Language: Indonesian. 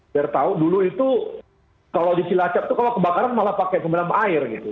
biar tahu dulu itu kalau di cilacap itu kalau kebakaran malah pakai semenam air gitu